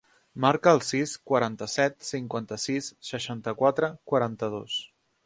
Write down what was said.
Marca el sis, quaranta-set, cinquanta-sis, seixanta-quatre, quaranta-dos.